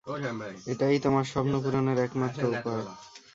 এটাই তোমার স্বপ্নপূরণের একমাত্র উপায়!